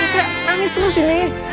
keisha nangis terus ini